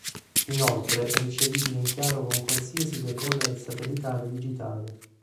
Inoltre è ricevibile in chiaro con qualsiasi decoder satellitare digitale.